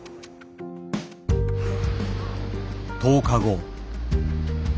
１０日後。